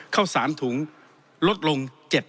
เข้าสารถุงลดลง๗